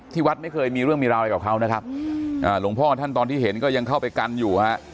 วัดไม่เคยมีเรื่องมีราวอะไรกับเขานะครับอ่าหลวงพ่อท่านตอนที่เห็นก็ยังเข้าไปกันอยู่ฮะ